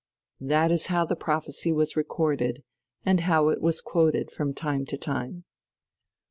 That is how the prophecy was recorded, and how it was quoted from time to time.